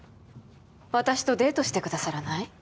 私とデートしてくださらない？